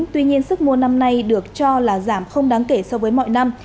tuy nhiên sức mua năm nay được cho là giảm không đáng kể so với mọi năm